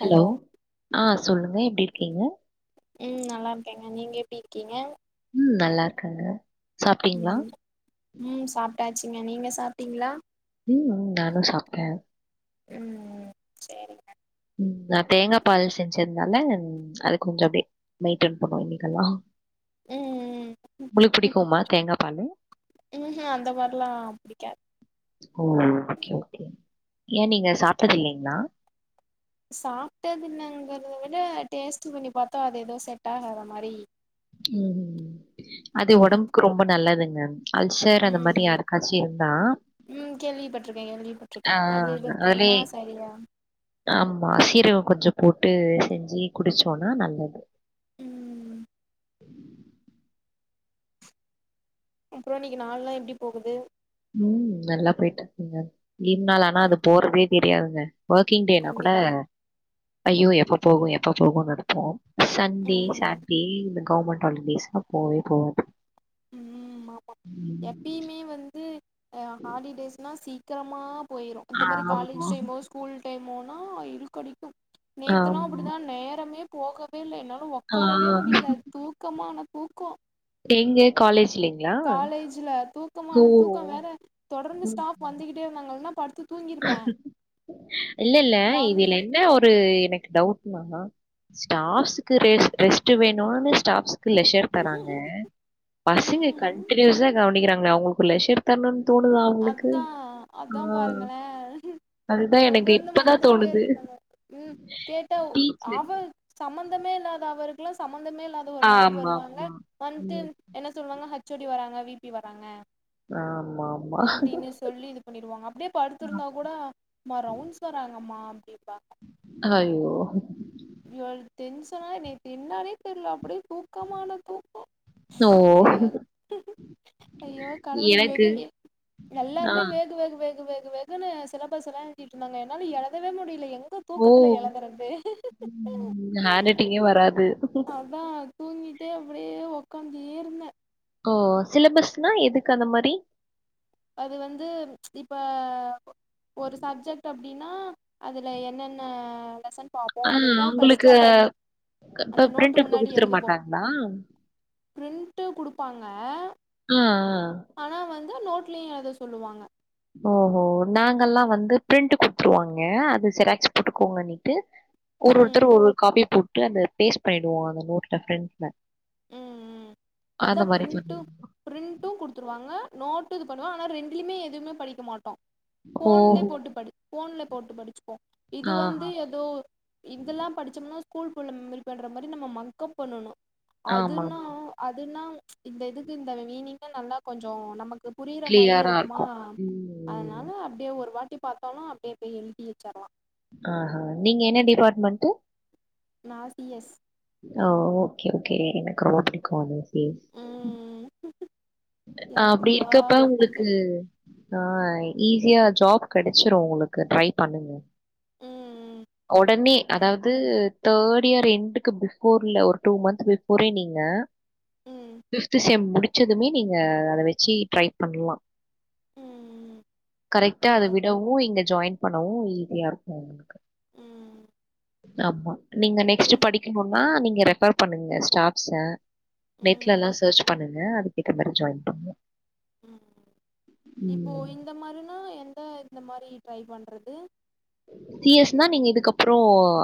Hello ஆ சொல்லுங்க எப்டிருக்கீங்க ம் நல்லாருக்கேங்க நீங்க எப்டிருக்கீங்க ம் நல்லாருக்கேங்க ம் ம் சாப்டாச்சுங்க நீங்க சாப்டீங்களா ம் ம் நானு சாப்டே ம் சேரிங்க ம் நா தேங்கா பால் செஞ்சுந்தேன்ல அது கொஞ்சோ அப்டியே மெயிடய்ன் பண்ணுவோ இன்னைக்கெல்லா ம் உங்ளுக் புடிக்குமா தேங்கா பாலு உஹூம் அந்த மாரிலா புடிக்காது ஓ ஓகே ஓகே ஏ நீங்க சாப்டது இல்லீங்களா சாப்டதுல்லங்கிறத விட டேஸ்ட்டு பண்ணி பாத்தா அது ஏதோ செட் ஆகாத மாரி ம் அது இருக்கு ஒடம்புக்கு ரொம்ப நல்லதுங்க அல்சர் அந்த மாரி ம் யாருக்காச்சு இருந்தா ம் கேள்விபட்டிருக்கே கேள்விபட்டிருக்கே ஆ அது இது பண்ண அதுலே சரியா ஆமா சீரகம் கொஞ்சோ போட்டு செஞ்சு குடிச்சோன்னா நல்லது ம் அப்றோ இன்னிக்கு நாள்லா எப்டி போகுது ம் நல்லா போய்ட்ருக்குங்க லீவ் நாள் ஆனா அது போறதே தெரியாதுங்க ஒக்கிங் டேனா கூட கண்டிப்பா ஐயோ எப்ப போகு எப்ப போகுனு இருக்கு சண்டே ஆமா சாட்டர்டே இந்த கெவர்மெண்ட் ஹாலிடேஸ்லா போவே போவாது ம் ஆமா ம். எப்பயுமே வந்து ஹாலிடேஸ்னா சீக்கிரமா போயிரு இந்த மாறி ஆமா, காலேஜ் டைம்மோ சு ஸ்கூல் டைம்னா இழக்கடிக்கும் நேத்தலா ஆமா. அப்டிதா நேரமே போகவேல்ல என்னால உக் ஆ உக்காரவே முடியல தூக்கமானா தூக்கோ எங்க காலேஜ் [inaudible] காலேஜ்ல தூக்கமான தூக்கோ வேற தொடர்ந்து ஸ்டாப் வந்துகிட்டேருந்தாங்க என்ன [inaudible] இல்லல்ல வந் [inaudible] என்ன ஒரு எனக்கு டவுட்னா ஸடாப்ச்சுக்கு ரெஸ் ரெஸ்ட் வேணுனு ஸ்டாப்சு லெஷர் தராங்க பசங்க ம் கண்டினியூஸா கவனிக்கிறாங்ளே அவுங்களுக்கு லெஷர் தரனுனு தோணுதா அவங்களுக்கு? அதா அதா ஆ. பாருங்களே அதுதா எனக்கு தொடர்ந்து இப்பதா வந்துகிட்டே தோணுது இருக்காங்க ம் கேட்டா டீச்சர் அவரு சம்பந்தமே இல்லாத அவர்குளா சம்பந்தமே இல்லாத ஒரு மேம் ஆமா வருவாங்க ஆமா வண்ட்டு ம் என்ன சொல்லுவாங்க ஹச் ஓ டி வராங்க வி பி வராங்க ஆமா ஆமா அப்டின்னு சொல்லி பண்ணிடுவாங்க அப்டியே ஆ படடுத்திருந்தா கூட மா ரவுண்ட்ஸ் வர்றாங்கம்மா அப்டிப்பாங்க அய்யோ இ எனக்கு டென்சன்னா நேத்து என்னானே தெரில அப்டியே தூக்கமான தூக்கோ ஓ ஐயோ ஐயோ கடவுளே எனக்கு எது வே ஆ எல்லாருமே வேகு வேகு வேகு வேகு வேகு குனு சிலபஸெல்லா எழுதிட்டு இருந்தாங்க என்னால எழதவே முடியல எங்க ஓ தூக்கத்துல எழதுறது ம் ஹேன்ரைட்டிங்கே வராது அதா தூங்கிட்டே அப்டியே உக்காந்து இருந்தே ஓ சிலபஸ்னா எதுக்கு அந்த மாரி அது வந்து இப்ப ஒரு சப்ஜெக்ட் அப் டினா அதுல என்னென்ன லெசன் பாப் போ ஆ அப்டின்னு உங்களுக்கு ஃபஸ்டு அந்தன் இப்ப அந்த நோட்டு பிரிண்ட் எடுத்து முன்னாடி குடுத்துட எழுதுவோ மாட்டாங்களா பிரிண்ட்டு குடுப்பாங்க ம் ம் ஆனா வந்து நோட்லயு எழுத சொல்லுவாங்க ஓஹோ நாங்கல்லா வந்து பிரிண்ட் குடுத்துருவாங்க அது ஜெராக்ஸ் போட்டுக்கோங்கன்னிட்டு ஒரு ம் ஒருத்தர் ஒரு ஒரு காபி போட்டு அந்த பேஸ்ட் பண்ணிடுவோ அந்த நோட்ல ஃபிரண்ட்ல ம் ம் அதா பிரிண்ட்டு பண்ணி பிரிண்ட்டு குடுத்துருவாங்க நோட்டுக் தனியா ஆனா ரெண்டுலயுமே எதுவுமே படிக்க மாட்ட ஓஹோ! ஃபோன்லே போட்டு படி ஃபோன்ல போட்டு படிச்சுப்போ இது வந்து ஆஹா. எதோ இங்கெல்லா படிச்சோம்னா ஸ்கூல் பொண்லா மெமரி பண்ற மாரி நம்ம மக்கப் பண்ணணு ஆமா. அதுன்னா அதுன்னா இந்த இதுக்கு இந்த மீனிங்னா நல்லா கொஞ்சொ நமக்கு புரியிற மாறியே கிளியரா இருக்குமா இருக்கும். ம். அதனால அப்டியே ஒரு வாட்டி பாத்தாலு அப்டியே போய் எழுதி வச்சர்லா ஆஹா நீங்க என்ன டிபார்ட்மெண்ட் நா சி எஸ் ஓ ஓகே ஓகே எனக்கு ரொம்ப புடிக்கு அது ம் எனக்கு அப்டி இருக்கப்ப பிடிக்காத உங்களுக்கு சப்ஜெக்ட் ஆ ஈஸியா ஜாப் கெடச்சிரு உங்களுக்கு ட்ரை பண்ணுங்க ம் ஒடனே ம் அதாவ்து தேர்ட் இயர் எண்டு க்கு பிஃபோர்ல ஒரு டூ மந்த் பிஃபோரே நீங்க ம் ஃபிஃப்து செம் முடி ச்சதுமே நீங்க அத வச்சு ட்ரை பண்லா ம் கரெக்டா அத கண்டிப்பா விடவு இங்க ஜாயின் பண்ணவு ஈஸியா இருக்கு உங்களுக்கு ம் ஆமா நீங்க நெக்ஸ்ட் என் மா நீங்க ரெஃபர் பண்ணுங்க ஸ்டாப்ஸ ம் நெட்லல்லா சர்ச் பண்ணுங் க அதுகேத்த மாரி ஜாயின் பண்ணு ம் இப்போ இந்த மாரினா எந்த இந்த மாரி ட்ரை பண்றது சி எஸ் னா நீங்க இதுக்கப்புறோ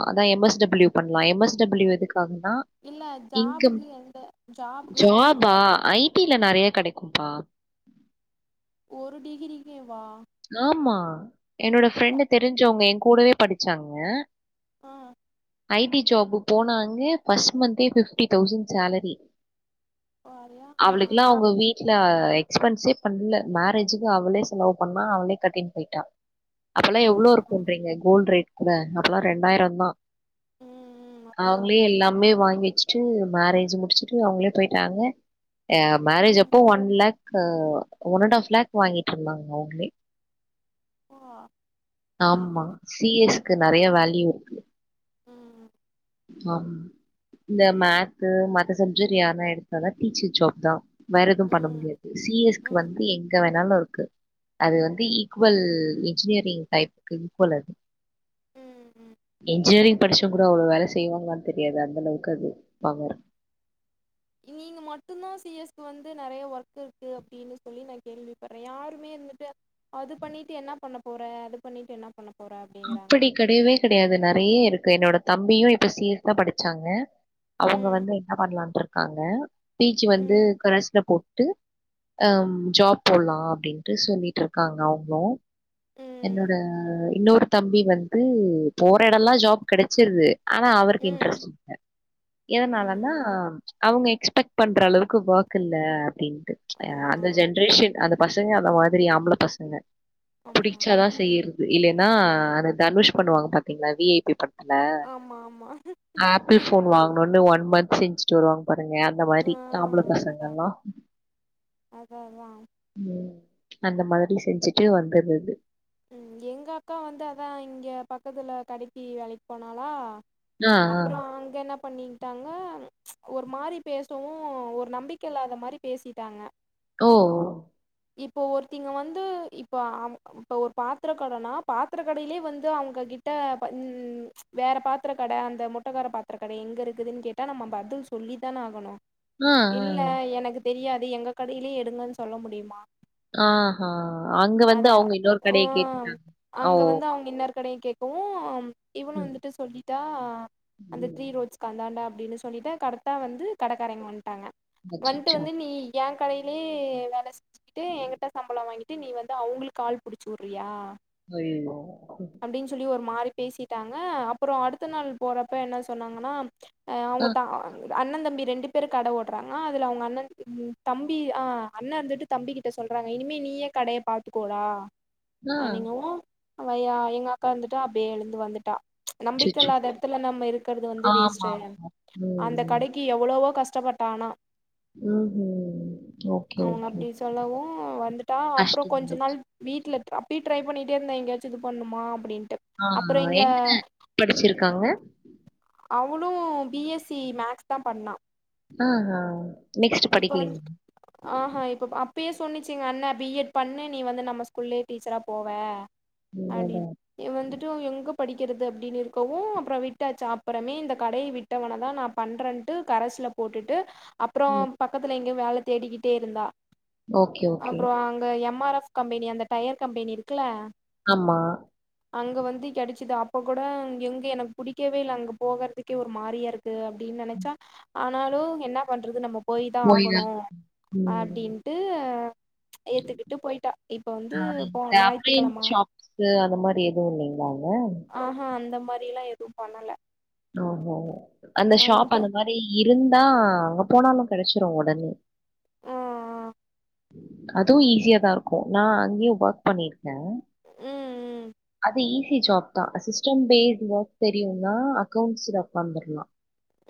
அதா எம் எஸ் டபிள்யூ பண்ணலா எம் எஸ் டபிள்யூ எதுக்காகன்னா இல்ல இன்க்கம் ஜாபுக்கு எந்த ஜாபுக்கு சொல்றே ஜாபா ஐ டில நறையா கடைக்கும்பா ஒரு டிகிரிக்கே வா ஆமா என்னோட ஃப்ரெண்டு தெரிஞ்சவங்க என் கூடவே படிச்சாங்க ஆ ஐ டி ஜாப் போனாங்க ஃபர்ஸ்ட் மந்த்தே ஃபிஃப்டி தௌசண் சேலரி வரியா ஆ அவளுக்குல்லா அவங்க வீ ட்ல எக்ஸ்பென்ஸே பண்ல மேரேஜுக்கு அவளே செலவு பண்ணா அவளே கட்டின்னு போயிட்டா அப்பல்லா எவ்ளோ ஆ இருக்குன்றீங்க கோல்டு ரேட் கூட அப்பல்லா ரெண்டாயிரந்தா ம் அதா அவங்களே எல்லாமே வாங்கி வச் சு மேரேஜ் முடிச்சுட்டு அவங்களே போயிட்டாங்க அ மேரேஜ் ம் அப்போ ஒன் லேக் க ஒன் அன்ட் ஆஃப் லேக் வாங்கிட்டு இருந்தாங்க அவங்ளே அப்பா ஆம்மா ம் சி எஸ் க்கு நெறைய வேல்யூ இருக்கு ம் அம் இந்த மேத்து மத்த சப்ஜெக்ட் யாருனா எடுத்தாதா டீச்சர் ஜாப் தா வேறெது பண்ண ம் முடியாது சி எஸ் க்கு ம் வந்து எங்க வேணாலு இருக்கு அது வந்து ஈக்குவல் இன்ஜினியரிங் டைப்புக்கு ஈக்குவல் அது ம் இன்ஜினியரிங் படிச்சவ்ங்க கூட அவ்ளோ வேல செய்வாங்களான் தெரியாது அந்த அளவுக்கு அது வாங்குற நீங்க மட்டுந்தா சி எஸ் க்கு வந்து நெறைய ஒர்க் இருக்கு அப்டினு சொல்லி நா கேள்விப்பட்றே யாருமே இருந்துட்டு அது பண்ணிட்டு என்ன பண்ண போற அது பண்ணிட்டு என்ன பண்ண போற அப்டிங்கிறாங்க அப்படி கெடையவே கெடையாது நெறைய இருக்கு என்னோட தம்பியு இப்ப சி எஸ் தா படிச்சாங்க அவ்ங்க ம் வந்து என்ன பண்ணலான்ட்ருக்காங்க பி ஜி வந்து ம் கரஸ்ல போட்டு அம் ஜாப் போலா அப்டின்ட்டு சொல்லிட்டு இருக்காங்க அவ்ங்ளு என்னோட ம் இன்னொரு தம்பி வந்து போற எடலா ஜாப் கெடச்சிருது ஆனா அவருக்கு ம் இன்ட்ரெஸ்ட் இல்ல எதனாலனா ம் அவ்ங்க எக்ஸ்பெக்ட் பண்ற அளவுக்கு வொர்க் இல்ல அப்டின்ட்டு அ ஆ அந்த ஜென்ரேஷன் அந்த பசங்க அந்த மாதிரி ஆம்பள பசங்க ஆமா புடிச்சாதா செய்யறது இல்லைனா ஆ அந்த தனுஷ் பண்ணுவாங்க பாத்தீங்ளா வி ஐ பி படத் துல ஆமா ஆமா ஆப்பிள் ஃபோன் வாங்கனுனு ஒன் மந்த் செஞ்சிட்டு வருவாங்க பாருங்க அந்த ஆ மாரி ஆம்பள அதா பசங்கல்லா அதா அதா ம் அந்த மாதிரி செஞ்சிட்டு வந்துர்றது ம் எங்க அக்கா வந்து அதா இங்கெ பக்கத்துல கடைக்கி வேலைக்கு போனாளா ஆ, ஆ. அப்றோ அங்க என்னப் பண்ணிட்டாங்க ஒரு மாரி பேசவு ஒரு நம்பிக்க இல்லாத மாரி பேசிட்டாங்க ஓ ஓ இப்போ ஒருத்தி இங்க வந்து இப்ப அவ்ங் அவ் இப்ப ஒரு பாத்திர கடனா பாத்திர கடையிலே வந்து அவ்ங்க கிட்ட ப இந் வேற பாத்திரக் கட அந்த முட்டகார பாத்திர கட எங்க இருக்குதுன் கேட்டா நம்ம பதில் சொல்லித்தான ஆகனு ஆ, இல்ல ஆ. எனக்கு தெரியாது எங்க கடையிலே எடுங்கன் சொல்ல முடியுமா ஆ ஹா அங்க வந்து அத அவங்க இன்னொரு ஓ கடைய கேட்டுட்டாங்க. ஓ! அங்க வந்து அவ்ங்க இன்னாரு கடையு கேக் கவு இவனு ம். வந்துட்டு சொல்லிட்டா அந்த த்ரீ ம். ரோட்ஸ் கந்தாண்டா அப்டின்னு சொல்லிட்டா கரெக்டா வந்து கடக்காரங்க வந்ட்டாங்க வந்ட்டு அச்சச்சோ! வந்து நீ எ கடையிலே வேல செஞ்சுக்கிட்டு எங்கிட்ட சம்பள வாங்கிட்டு நீ வந் து அவ்ங்களுக்கு ஆள் புடிச்சு வுட்றியா ஐயயோ ம் அப்டின் சொல்லி ஒரு மாறி பேசிட்டாங்க அப்றோ அடுத்த நாள் போறப்ப என்ன சொன்னாங்கனா அ ஆ, அவ்ங்க தா அண்ணந்தம்பி ரெண்டு பேரு கடை ஓட்றாங்க அதுல அவ்ங்க அண்ணன் தம்பி ஆ அண்ண வந்துட்டு தம்பிக்கிட்ட சொல்றாங்க இனிமே நீயே கடைய பாத் த்துக்கோடா ஆ. அன்னிங்கவு அவ யா எங்க அக்கா வந்துட்டு அப்டியே எழுந்து வந்துட்டா நம்பிக்க அச்சச்சோ! இல்லாத எடத்துல நம்ம இருக்கிறது வந்து வேஸ்ட்டு ஆமாமா. ம், அந்த ம். கடைக் கி எவளவோ கஷ்டப்பட்டா ஆனா ம் ம் ஓகே அவங்க ஓகே அப்டி சொல்லவு வந்துட்டா அப்றோ கொஞ்ச கஷ்டமாயிடுச்சு. நாள் வீட்ல அப்டியு ட்ரை பண்ணிக்கிட்டே இருந்தா எங்கயாச்சு இது பண்ணுமா அப்டின்ட்டு ஆ அப்றோ ஆ இங்க என்னங்க படிச்சிருக்காங்க அவுளு பிஎஸ்சி மேக்ஸ்தா பண்ணா ஆ ஆ இப்போ வந்து ஆஹா இப்போ அப்பயே சொன்னிச்சு எங்க அண்ண பி எட் பண்ணு நீ வந்து நம்ம ஸ்கூல்லயே டீச்சரா போவ ம் [unintelligible] அதான். இது வந்துட்டு எங்க படிக்கிறது அப்டின்னு இருக்கவு அப்றோ விட்டாச்சு அப்புறமே இந்த கடைய விட்டவொன்னதா நா பண்றன்ட்டு கரஸ்ல போட்டுட்டு அப்றோ ம். பக்கத்துல எங்கேயு வேல தேடிக்கிட்டே இருந்தா ஓகே, ஓகே. அப்றோ அங்க எம் ஆர் எஃப் கம்பெனி அந்த டயர் கம்பெனி இருக்குல ஆமா அங்க வந்து கெடைச்சிது அப்ப கூட எங்க எனக்கு புடிக்கவே இல்ல அங்க போகறதுக்கே ஒரு மாரியா இருக் கு அப்டின்னு நெனச்சா ஆனாலு என்னா பண்றது நம்ம போய்தா போய் ஆகணு தான் ம். அப்டின்ட்டு ஏத்துக்கிட்டு போயிட்டா இப்ப வந்து ஆ இந்த போன அப்ளையன்ஸ் ஞாயித்துக்கெழம ஷாப்ஸு அந்த மாரி எதுவு இல்லைங்களா அங்க ஆஹ அந்த மாரி எல்லா எதுவு பண்ணல ஓஹோ அந்த ஷாப் வந்ட்டு அந்த மாரி இருந்தா அங்க போனாலு கெடச்சுரு உடனே ஆ ஆ அதுவு ஈஸியாதா இருக்கு நா அங்கயு ஒர்க் பண்ணிருக்க ம் ம் அது ஈஸி ஜாப்தா சிஸ்டம் பேஸ்ட் ஒர்க் தெரியுனா அக்கௌண்ட்ஸ் ஜாப் வந்தர்லா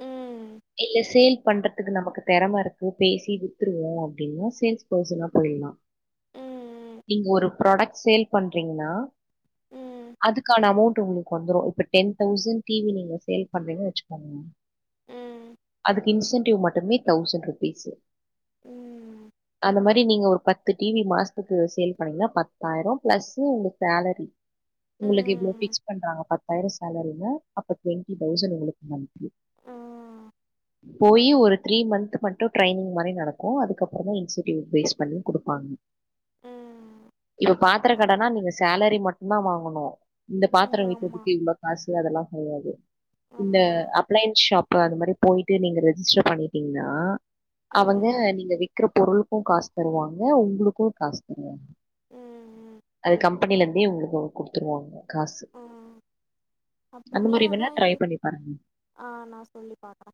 ம் இல்ல சேல் பண்றதுக்கு நமக்கு தெறம இருக்கு பேசி வித்துருவோ அப்டின்னா சேல்ஸ் பர்சனா போயிலா [unintelligible] நீங்க ஒரு ப்ராடக்ட் சேல் பண்றீங்கன்னா ம், அதுக்கான அமௌண்டட் உங்களுக்கு வந்துரு இப்ப டென் தௌசண் டி வி நீங்க சேல் பண்றீங்கா வெச்சுக்கோங்க ம், அதுக்கு இன்சென்டிவ் மட்டுமே தௌசண்ட் ருபீஸ்ஸு ம் இந்த மாரி நீங்க ஒரு பத்து டி வி மாசத்துக்கு சேல் பண்ணீங்கன்னா பத்தாயிரோ பிளஸ்ஸு உங்க சேலரி உங்களுக்கு இவ்ளோ ம், பிக்ஸ் பண்றாங்க பத்தாயிரோ சேலரினா அப்ப டுவெண்டி தௌசண்ட் உங்களுக்கு நம்ப ஆ போய் ஒரு த்ரீ மந்த் மட்டு ட்ரைனிங் மாரி நடக்கு அதுக்கப்ரமா இன்சென்டிவ் பேஸ் பண்ணி குடுப்பாங்க ம், இப்ப பாத்தர அப் கடனா நீங்க சேலரி மட்டுந்தா வாங்கணு இந்த பாத்தரோ ம், ஆமா, விக்கறதுக்கு இவ்ளோ காசு அதெல்லா கெடையாது இந்த ஆமா, அப் ளையன்ஸ் ஷாப்பு அது மாரி போயிட்டு நீங்க ரெஜிஸ்டர் பண்ணிட்டீங்ன்னா அவங்க ம், நீங்க விக்கற பொருளுக்கு காசு தருவாங்க உங்களுக்கு காசு தருவாங்க ம், ம், அது கம்பெனில இருந்தே உங்களுக்கு குடுத்துருவாங்க காசு ஆ, அந்த அப்புறமே மாரி அதா வேணா ட்ரை பண்ணி பாருங்க ஆ நா சொல்லி பாக்கற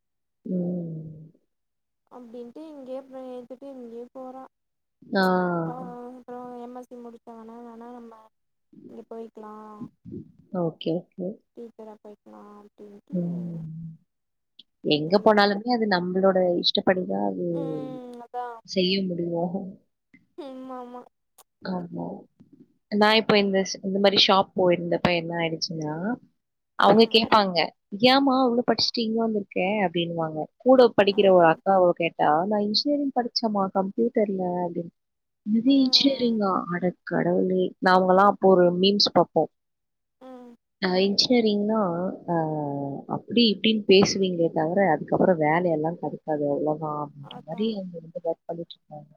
ம் அப்டின்ட்டு இங்கேயே அப்ரோ போயித்துட்டு இங்கயே போறா ஆ ஆ ஆ அப்ரோ எம் எஸ் சி முடிச்சா வேணா வேணா நம்ம இங்கே போய்க்லா ஓகே ஓகே டீச்சர்ரா போய்க்கலா அப்டினுட்டு ம் எங்க [unintelligible] போனாலுமே அது நம்மளோட இஷ்டப்படிதா அது ஆ செய்ய முடிவோ ம் மாமா ஆமா நா இப்போ இந்தஷ் இந்த மாரி ஷாப் போயிருந்தப்ப என்ன ஆயிடுச்சுன்னா அவுங்க ம், கேப்பாங்க ஏமா அவ்ளோ படிச்சுட்டு இங்க வந்துருக்க அப்டினுவாங்க கூட ஆ, படிக்கிற ஒரு அக்காவ கேட்டா நா இன்ஜினியரிங் படிச்சேம்மா கம்ப்யூட்டர்ல அப்டின்னு மதி ஆ. சேரிங்கா அட கடவுளே நாங்கல்லா அப்போ ஒரு மீம்ஸ் பாப்போ ம் அ இன்ஜினியரிங்லா அ அப்டி இப்டின் பேசுவீங்ளே தவர அதுக்கப்றோ வேலை எல்லா க அது எவ்ளவா அப்டின்ற அதா மாரி அங்க வந்து வேல பண்ணிட் இருக்காங்க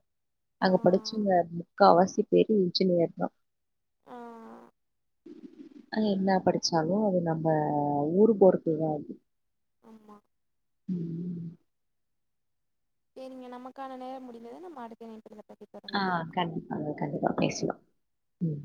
ஆ அங்க படிச்சவங்க முக்கவாசி பேரு இன்ஜினியர் தா ஆ அங்க என்ன படிச்சாலு அது நம்ப ஊரு பொறுத்துதா அது ஆமா சேரிங்க நமக்கான நேரம் முடிந்தது நம்ம அடுத்த இணைப்புல இத பத்தி ஆ தொடர்ந்து பேச கண்டிப்பாங்க கண்டிப்பா பேச்லா ம்